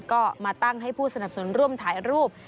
ก็มาตั้งให้ผู้สนับสนุนร่วมถ่ายรูป